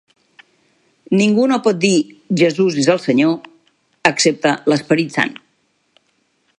Ningú no pot dir "Jesús és el Senyor" excepte l'Esperit Sant.